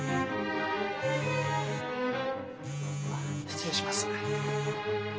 失礼します。